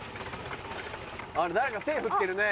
誰か手振ってるね。